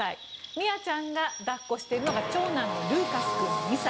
ミアちゃんが抱っこしているのが長男のルーカス君、２歳。